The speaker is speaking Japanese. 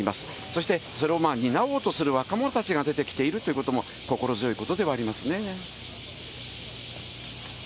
そして、それを担おうとする若者たちが出てきているってことも心強いことではありますね。